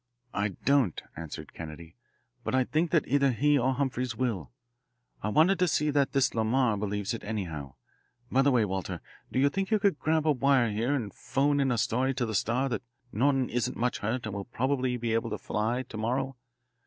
"I don't," answered Kennedy, "but I think that either he or Humphreys will. I wanted to see that this Lamar believes it anyhow. By the way, Walter, do you think you could grab a wire here and 'phone in a story to the Star that Norton isn't much hurt and will probably be able to fly to morrow?